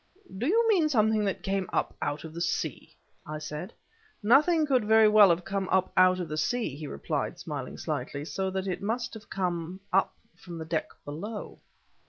"Do you mean something that came up out of the sea?" I said. "Nothing could very well have come up out of the sea," he replied, smiling slightly, "so that it must have come up from the deck below."